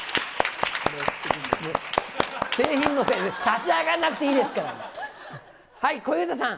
製品の、立ち上がらなくていいですから。